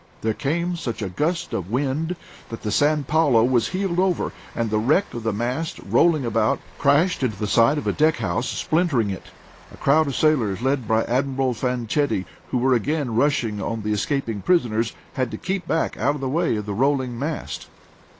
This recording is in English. There came such a gust of wind that the San Paulo was heeled over, and the wreck of the mast, rolling about, crashed into the side of a deck house, splintering it. A crowd of sailors, led by Admiral Fanchetti, who were again rushing on the escaping prisoners, had to leap back out of the way of the rolling mast.